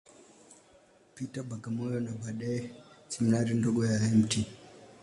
Peter, Bagamoyo, na baadaye Seminari ndogo ya Mt.